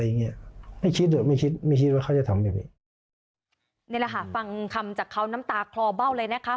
นี่แหละค่ะฟังคำจากเขาน้ำตาคลอเบ้าเลยนะคะ